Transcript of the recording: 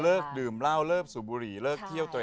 ดื่มเหล้าเลิกสูบบุหรี่เลิกเที่ยวตัวเอง